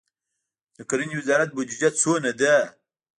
د کرنې وزارت بودیجه څومره ده؟